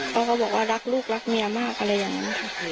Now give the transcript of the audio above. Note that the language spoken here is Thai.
เขาก็บอกว่ารักลูกรักเมียมากอะไรอย่างนั้นค่ะ